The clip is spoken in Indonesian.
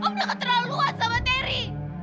om tak keterlaluan sama terry